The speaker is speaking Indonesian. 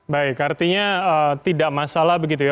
baik artinya tidak masalah begitu ya